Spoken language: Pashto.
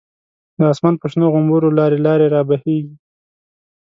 د آسمان په شنو غومبرو، لاری لاری رابهیږی